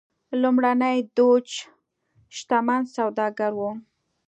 لومړنی دوج شتمن سوداګر و.